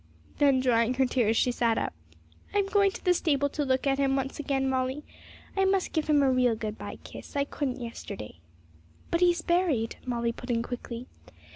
Then, drying her tears, she sat up. 'I'm going to the stable to look at him once again, Molly. I must give him a real good bye kiss; I couldn't yesterday.' 'But he's buried,' Molly put in quickly.